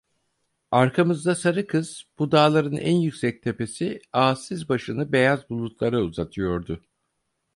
Arkamızda Sarıkız, bu dağların en yüksek tepesi, ağaçsız başını beyaz bulutlara uzatıyordu.